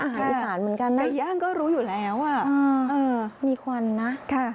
อาหารอิสานเหมือนกันนะค่ะแต่ยังก็รู้อยู่แล้วเออเออค่ะมีควรนะ